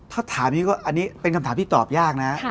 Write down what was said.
ถ้าถามอย่างนี้ก็อันนี้เป็นคำถามที่ตอบยากนะ